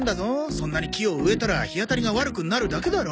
そんなに木を植えたら日当たりが悪くなるだけだろ。